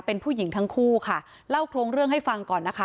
เป็นผู้หญิงทั้งคู่ค่ะเล่าโครงเรื่องให้ฟังก่อนนะคะ